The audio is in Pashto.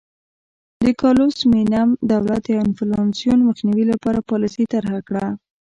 د کارلوس مینم دولت د انفلاسیون مخنیوي لپاره پالیسي طرحه کړه.